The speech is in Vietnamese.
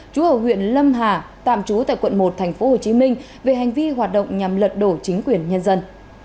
chú ở huyện lâm hà tạm trú tại quận một tp hcm về hành vi hoạt động nhằm lật đổ chính quyền nhân dân